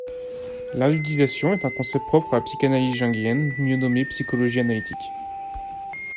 L’individuation est un concept propre à la psychanalyse jungienne, mieux nommée psychologie analytique.